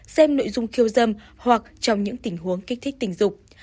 xem nội dung khiêu dâm hoặc trong những tình huống kích thích tình dục